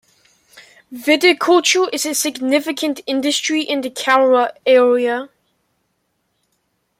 Viticulture is a significant industry in the Cowra area.